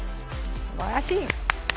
すばらしい！